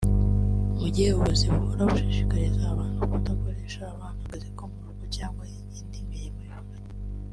mu gihe ubuyobozi buhora bushishikariza abantu kudakoresha abana akazi ko mu rugo cyangwa indi mirimo ivunanye